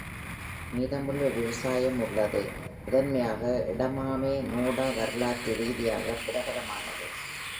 மீதமுள்ள விவசாயம் உள்ளது, முதன்மையாக “எடமாமே", நோடா வரலாற்று ரீதியாக பிரபலமானது.